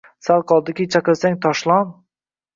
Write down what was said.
Sal qoldiki chaqirsang: «Toshlon!»